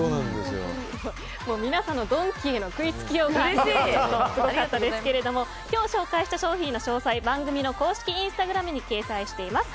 皆さんのドンキへの食いつきがすごかったですけど今日紹介した商品の詳細は番組の公式インスタグラムに掲載しています。